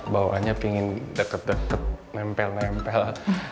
bawahannya pingin deket deket nempel nempel